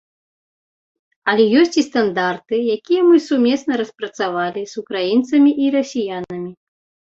Але ёсць і стандарты, якія мы сумесна распрацавалі з украінцамі і расіянамі.